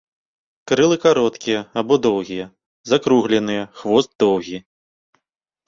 Крылы кароткія або доўгія, закругленыя, хвост доўгі.